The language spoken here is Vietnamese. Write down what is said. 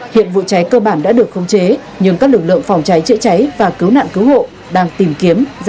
hiện vụ cháy cơ bản đã được khống chế nhưng các lực lượng phòng cháy chữa cháy và cứu nạn cứu hộ đang tìm kiếm